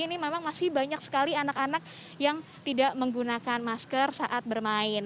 ini memang masih banyak sekali anak anak yang tidak menggunakan masker saat bermain